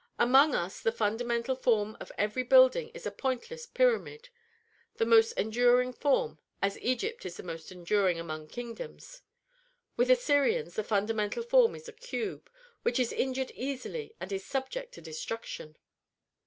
Among us the fundamental form of every building is a pointless pyramid, the most enduring form, as Egypt is the most enduring among kingdoms. With Assyrians the fundamental form is a cube, which is injured easily and is subject to destruction.